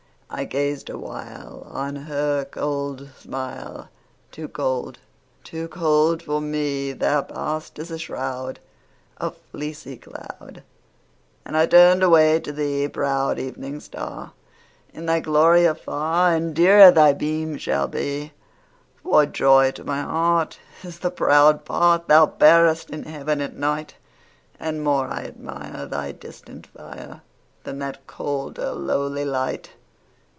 I gazed awhile On her cold smile; Too cold—too cold for me— There passed, as a shroud, A fleecy cloud, And I turned away to thee, Proud Evening Star, In thy glory afar And dearer thy beam shall be; For joy to my heart Is the proud part Thou bearest in Heaven at night, And more I admire Thy distant fire, Than that colder, lowly light.